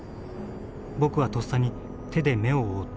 僕はとっさに手で目を覆った。